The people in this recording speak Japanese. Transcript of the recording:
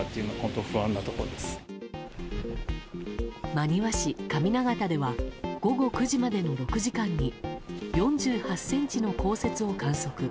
真庭市上長田では午後９時までの６時間に４８ｃｍの降雪を観測。